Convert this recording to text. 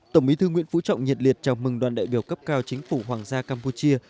tổng bí thư nguyễn phú trọng nhiệt liệt chào mừng đoàn đại biểu cấp cao chính phủ hoàng gia campuchia